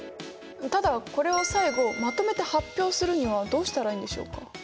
ただこれを最後まとめて発表するにはどうしたらいいんでしょうか？